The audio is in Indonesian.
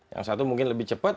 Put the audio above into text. yang satu mungkin lebih cepat